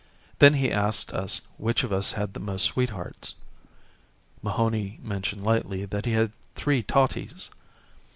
Then he asked us which of us had the most sweethearts. Mahony mentioned lightly that he had three totties.